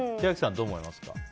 千秋さん、どう思いますか？